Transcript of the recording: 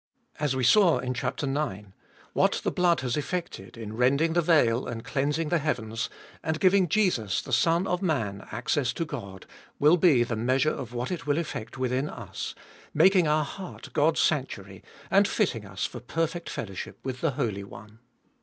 As we saw in chap, ix., what the blood has effected in rending the veil and cleansing the heavens, and giving Jesus, the Son of Man, access to God, will be the measure of what it will effect within us, making our heart God's sanctuary, and fitting us for perfect fellowship with the Holy One.